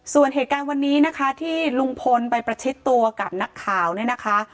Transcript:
ส่วนเหตุการณ์วันนี้นะคะที่ลุงพลไปประชิดตัวกับนักข่าวเนี่ยนะคะ